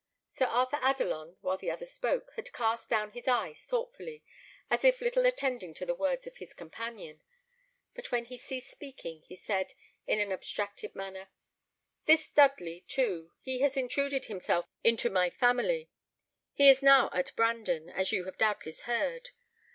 Sir Arthur Adelon, while the other spoke, had cast down his eyes thoughtfully, as if little attending to the words of his companion; but when he ceased speaking, he said, in an abstracted manner, "This Dudley, too, he has intruded himself into my family. He is now at Brandon, as you have doubtless heard.